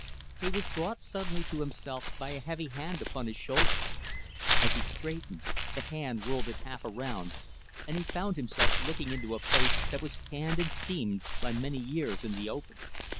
He was brought suddenly to himself by a heavy hand upon his shoulder. As he straightened, the hand whirled him half around and he found himself looking into a face that was tanned and seamed by many years in the open.